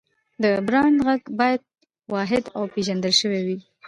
د برانډ غږ باید واحد او پېژندل شوی وي.